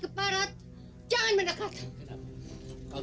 kau takut padaku